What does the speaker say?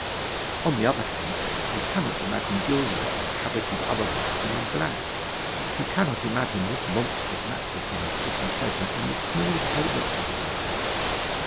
On the other hand, you cannot imagine Gilderoy habited otherwise than in black; you cannot imagine this monstrous matricide taking pleasure in the smaller elegancies of life.